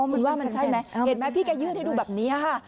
มันว่ามันใช่ไหมเห็นไหมพี่แกยืดให้ดูแบบนี้ค่ะ